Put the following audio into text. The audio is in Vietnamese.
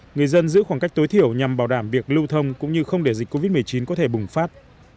người dân giữ khoảng cách tối thiểu nhằm bảo đảm việc lưu thông cũng như không để dịch covid một mươi chín có thể bùng phát